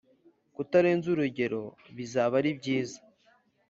Kutarenza urugero bizaba ari byiza